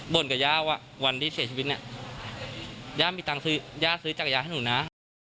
กับย่าว่าวันที่เสียชีวิตเนี่ยย่ามีตังค์ซื้อย่าซื้อจักรยานให้หนูนะ